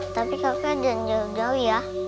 tapi kakak jangan jauh jauh ya